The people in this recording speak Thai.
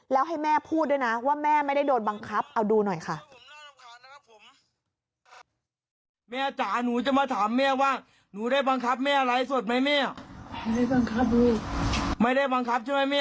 แล้วให้แม่พูดด้วยนะว่าแม่ไม่ได้โดนบังคับเอาดูหน่อยค่ะ